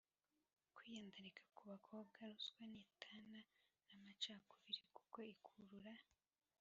kwiyandarika ku bakobwa. Ruswa ntitana n’amacakubiri kuko ikurura